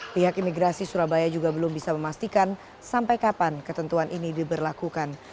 pihak imigrasi surabaya juga belum bisa memastikan sampai kapan ketentuan ini diberlakukan